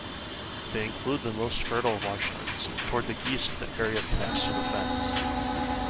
They include the most fertile marshlands; towards the geest the area connects to fens.